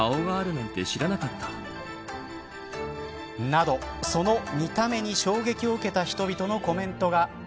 など、その見た目に衝撃を受けた人々のコメントが。